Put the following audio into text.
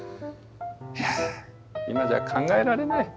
いや今じゃ考えられない。